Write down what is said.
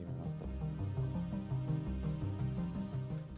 sebagai partner sisi